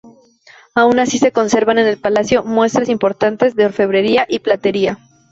Aun así, se conservan en el palacio muestras muy importantes de orfebrería y platería.